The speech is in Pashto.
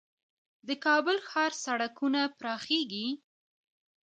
د کابل ښار سړکونه پراخیږي؟